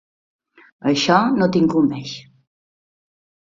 Això no t'incumbeix.